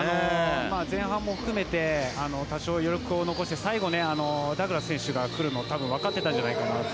前半も含めて、多少余力を残して最後、ダグラス選手が来るのを分かっていたんじゃないかなと。